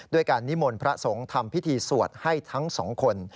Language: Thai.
การนิมนต์พระสงฆ์ทำพิธีสวดให้ทั้งสองคน